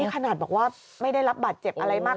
ขนาดบอกว่าไม่ได้รับบาดเจ็บอะไรมาก